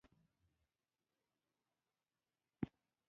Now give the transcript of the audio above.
دا جنګ د سرخس نږدې د دندان قان په سیمه کې و.